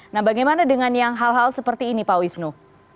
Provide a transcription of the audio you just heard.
nah bagaimana dengan yang hal hal seperti ini pak wisnu